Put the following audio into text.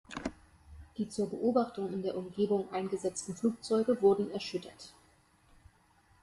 Die zur Beobachtung in der Umgebung eingesetzten Flugzeuge wurden erschüttert.